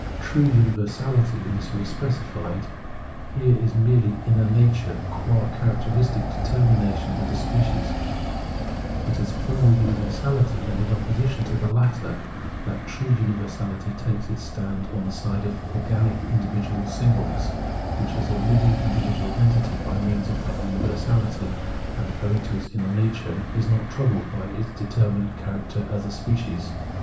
True universahty, in the way specified, is here merely inner nature ; qua characteristic determining the species it is formal universahty ; and in opposition to the latter, that true universahty takes its stand on the side of organic individual singleness, which is a Hving individual entity by means of that universahty, and owing to its umer nature is not troubled by its determinate char acter as a species.